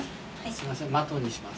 すいませんマトンにします。